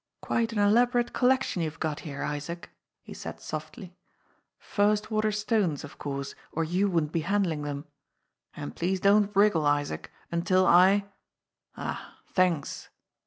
"Quite an elaborate collection you've got here, Isaac," he said softly. "First water stones of course, or you wouldn't be handling them. And please don't wriggle, Isaac, until I ah, thanks